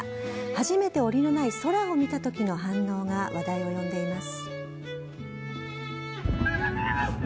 初めておりのない空を見たときの反応が話題を呼んでいます。